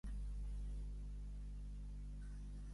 Es troba a la regió de Monreale.